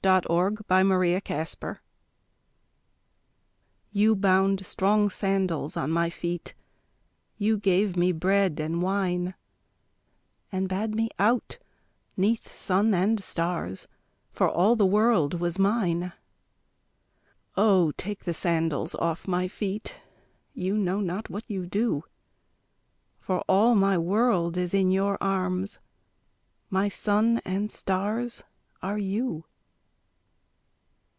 . Love Songs Song You bound strong sandals on my feet, You gave me bread and wine, And bade me out, 'neath sun and stars, For all the world was mine. Oh take the sandals off my feet, You know not what you do; For all my world is in your arms, My sun and stars are you.